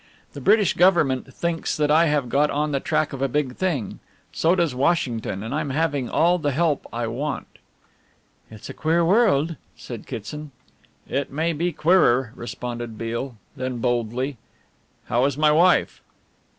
The British Government thinks that I have got on the track of a big thing so does Washington, and I'm having all the help I want." "It's a queer world," said Kitson. "It may be queerer," responded Beale, then boldly: "How is my wife?"